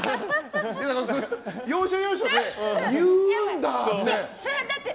要所要所で、言うんだって。